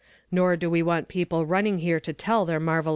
" Nor do we want people running here to tell their marvellous tales.